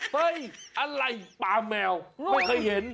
เฮ้ยอะไรปลาแมวไม่เคยเห็น